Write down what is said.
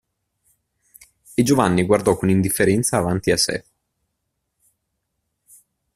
E Giovanni guardò con indifferenza avanti a sè.